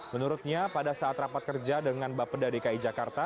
menurutnya pada saat rapat kerja dengan bapeda dki jakarta